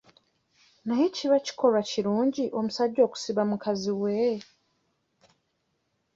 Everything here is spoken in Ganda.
Naye kiba kikolwa kirungi omusajja okusiba mukazi we?